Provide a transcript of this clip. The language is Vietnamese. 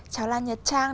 cháu lan nhật trang